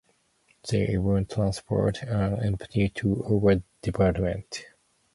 They even transferred an employee to our department.